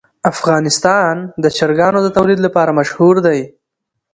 افغانستان د چرګانو د تولید لپاره مشهور دی.